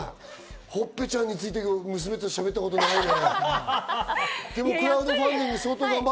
ほっぺちゃんについて娘としゃべったことないから。